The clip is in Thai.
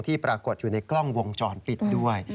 ปรากฏอยู่ในกล้องวงจรปิดด้วย